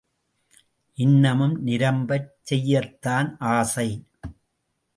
இன்னமும் நிரம்பச் செய்யத்தான் ஆசை.